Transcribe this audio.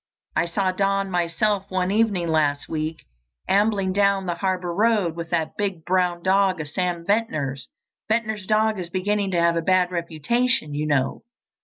I saw Don myself one evening last week ambling down the Harbour road with that big brown dog of Sam Ventnor's. Ventnor's dog is beginning to have a bad reputation, you know.